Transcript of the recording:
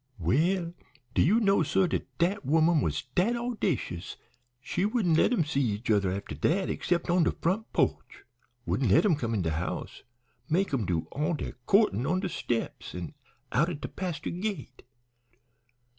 "Well, do you know, suh, dat dat woman was dat owdacious she wouldn't let 'em see each other after dat 'cept on de front po'ch. Wouldn't let 'em come in de house; make 'em do all dere co'rtin' on de steps an' out at de paster gate.